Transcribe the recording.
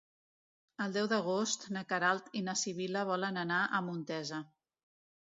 El deu d'agost na Queralt i na Sibil·la volen anar a Montesa.